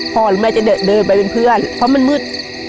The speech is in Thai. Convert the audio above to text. หรือแม่จะเดินไปเป็นเพื่อนเพราะมันมืด